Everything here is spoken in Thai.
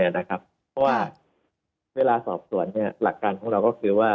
เพราะว่าเวลาสอบสวนหลักการของเราก็คือว่า